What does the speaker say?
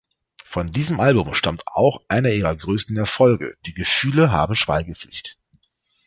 Von diesem Album stammt auch einer ihrer größten Erfolge, "Die Gefühle haben Schweigepflicht.